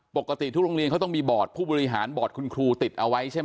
ปกติทุกโรงเรียนเขาต้องมีบอร์ดผู้บริหารบอร์ดคุณครูติดเอาไว้ใช่ไหม